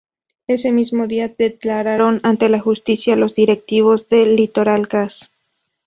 Ese mismo día, declararon ante la justicia los directivos de Litoral Gas.